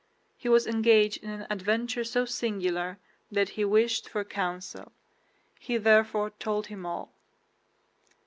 He was engaged in an adventure so singular that he wished for counsel. He therefore told him all.